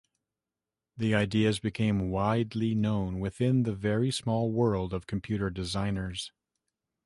The ideas became widely known within the very small world of computer designers.